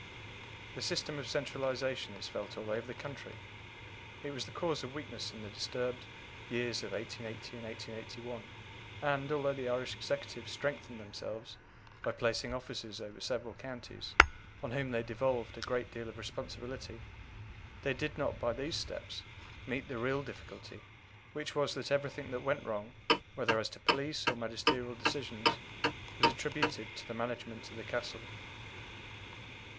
The system of centralization is felt all over the country. It was the cause of weakness in the disturbed years of 1880 and 1881, and, although the Irish Executive strengthened themselves by placing officers over several counties, on whom they devolved a great deal of responsibility, they did not by these steps meet the real difficulty, which was that everything that went wrong, whether as to police or magisterial decisions, was attributed to the management of the Castle.